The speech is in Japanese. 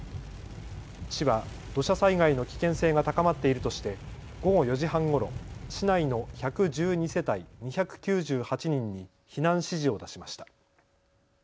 市は土砂災害の危険性が高まっているとして午後４時半ごろ、市内の１１２世帯２９８人に避難指示を出しました。